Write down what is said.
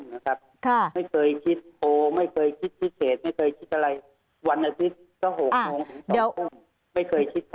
ไม่เคยคิดโปรไม่เคยคิดพิเศษไม่เคยคิดอะไรวันอาทิตย์ก็๖โมงถึง๒ทุ่ม